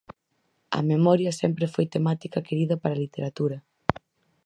A memoria sempre foi temática querida para a literatura.